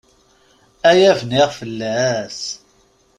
Aya bniɣ fell-as!